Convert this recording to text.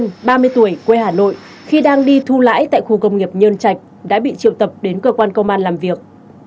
nguyễn văn ba mươi tuổi quê hà nội khi đang đi thu lãi tại khu công nghiệp nhơn trạch đã bị triệu tập đến cơ quan công an làm việc